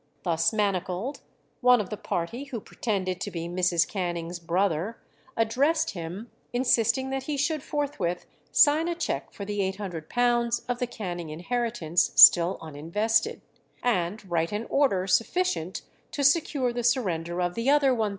Thus manacled, one of the party, who pretended to be Mrs. Canning's brother, addressed him, insisting that he should forthwith sign a cheque for the £800 of the Canning inheritance still uninvested, and write an order sufficient to secure the surrender of the other £1200.